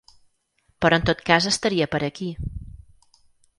Però en tot cas estaria per aquí.